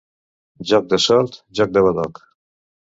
Joc de sort, joc de badoc.